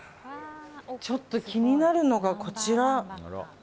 ちょっと気になるのがこちら。